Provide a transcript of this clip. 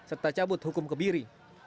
serta cabut hukum kebiri